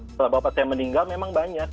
setelah bapak saya meninggal memang banyak